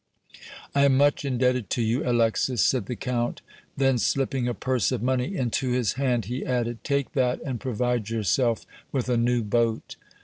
"I am much indebted to you, Alexis," said the Count; then, slipping a purse of money into his hand, he added: "Take that and provide yourself with a new boat."